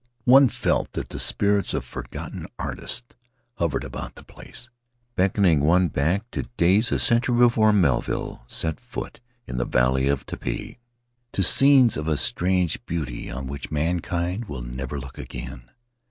One felt that the spirits of forgotten artists hovered about the place, beckoning one back to days a century before Melville set foot in the valley of Taipi, to scenes of a strange beauty on which mankind will never look again.